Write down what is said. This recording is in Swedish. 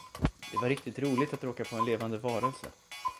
Det var riktigt roligt att råka på en levande varelse.